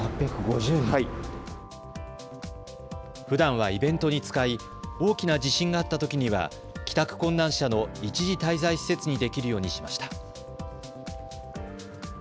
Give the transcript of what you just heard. ふだんはイベントに使い大きな地震があったときには帰宅困難者の一時滞在施設にできるようにしました。